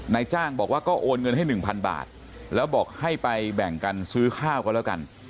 นายจ้างบอกว่าก็โอนเงินให้๑๐๐บาทแล้วบอกให้ไปแบ่งกันซื้อข้าวก็แล้วกัน